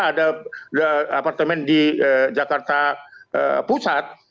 ada apartemen di jakarta pusat